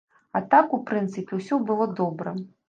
А так, у прынцыпе, усё было добра.